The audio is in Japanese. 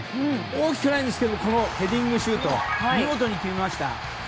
大きくないんですけどヘディングシュート見事に決めました。